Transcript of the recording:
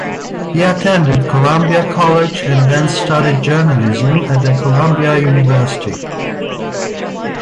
He attended Columbia College and then studied journalism at Columbia University.